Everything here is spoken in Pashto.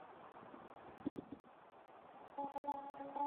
هغه وويل هو ولې.